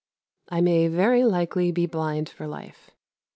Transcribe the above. I may very likely be blind for life.